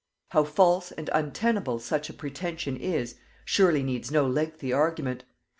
How false and untenable such a pretention is, surely needs no lengthy argument.